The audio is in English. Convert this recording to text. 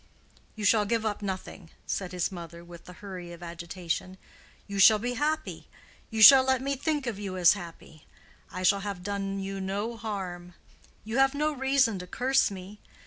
"You shall give up nothing," said his mother, with the hurry of agitation. "You shall be happy. You shall let me think of you as happy. I shall have done you no harm. You have no reason to curse me.